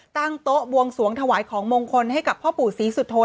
ตั้งโต๊ะบวงสวงถวายของมงคลให้กับพ่อปู่ศรีสุโธ